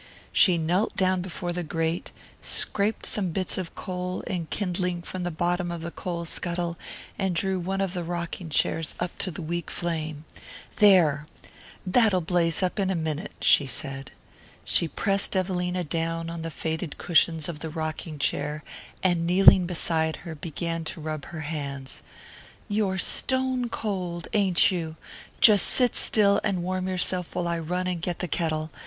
She knelt down before the grate, scraped some bits of coal and kindling from the bottom of the coal scuttle, and drew one of the rocking chairs up to the weak flame. "There that'll blaze up in a minute," she said. She pressed Evelina down on the faded cushions of the rocking chair, and, kneeling beside her, began to rub her hands. "You're stone cold, ain't you? Just sit still and warm yourself while I run and get the kettle.